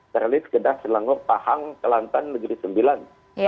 keralit kedah selangor pahang kelantan negeri sembilan